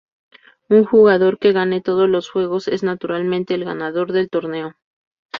Un jugador que gane todos los juegos es naturalmente el ganador del torneo.